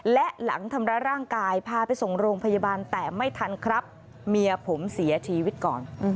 และหลังทำร้ายร่างกายพาไปส่งโรงพยาบาลแต่ไม่ทันครับเมียผมเสียชีวิตก่อน